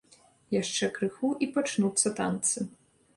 Яшчэ крыху і пачнуцца танцы.